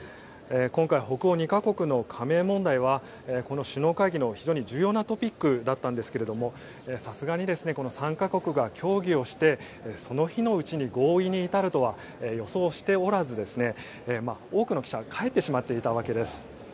今回、北欧２か国の加盟問題は首脳会議の非常に重要なトピックでしたがさすがに、３か国が協議をしてその日のうちに合意に至るとは予想しておらず、多くの記者が帰ってしまっていたわけです。